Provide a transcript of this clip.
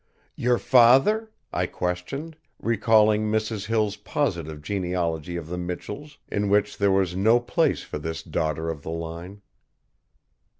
"Your father?" I questioned, recalling Mrs. Hill's positive genealogy of the Michells in which there was no place for this daughter of the line.